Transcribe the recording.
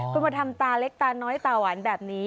คุณมาทำตาเล็กตาน้อยตาหวานแบบนี้